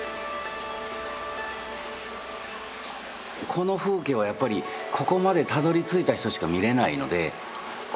この風景はやっぱりここまでたどりついた人しか見れないのでこういう場所がね